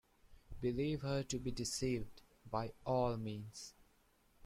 Believe her to be deceived, by all means.